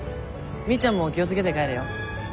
みーちゃんも気を付けで帰れよ。